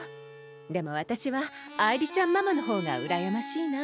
でも私は愛梨ちゃんママの方がうらやましいな。